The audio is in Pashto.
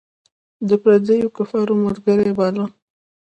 د پردیو کفارو ملګری باله.